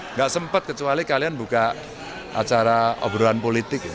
enggak sempat kecuali kalian buka acara obrolan politik